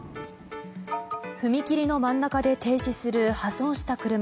踏切の真ん中で停止する破損した車。